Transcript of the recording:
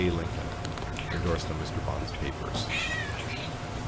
LINCOLN" (Indorsed on Mr. Bond's papers.)